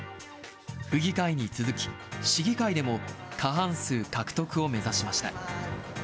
府議会に続き、市議会でも過半数獲得を目指しました。